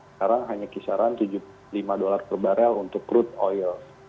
sekarang hanya kisaran tujuh puluh lima dolar per barel untuk crude oil